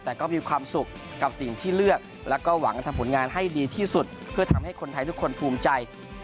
แต่ก็มีความสุขกับสิ่งที่เลือกแล้วก็หวังจะทำผลงานให้ดีที่สุดเพื่อทำให้คนไทยทุกคนภูมิใจ